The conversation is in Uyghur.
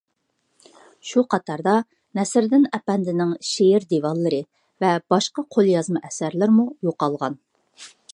شۇ قاتاردا نەسرىدىن ئەپەندىنىڭ شېئىر دىۋانلىرى ۋە باشقا قوليازما ئەسەرلىرىمۇ يوقالغان.